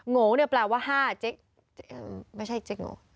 โงเนี่ยแปลว่า๕เจ๊ไม่ใช่เจ๊โง